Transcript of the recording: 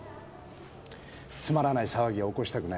つまらない騒ぎは起こしたくない。